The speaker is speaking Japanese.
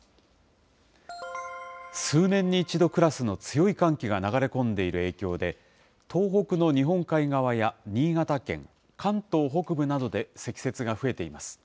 数年に一度クラスの強い寒気が流れ込んでいる影響で、東北の日本海側や新潟県、関東北部などで積雪が増えています。